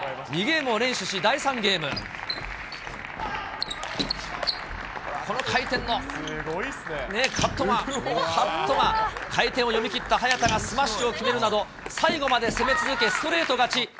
２ゲームを連取し、第３ゲーム、この回転のカットが、カットが、回転を読み切った早田がスマッシュを決めるなど、最後まで攻め続けストレート勝ち。